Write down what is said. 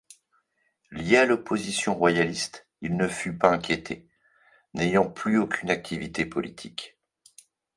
Lié à l'opposition royaliste, il ne fut pas inquiété, n'ayant plus aucune activité politique.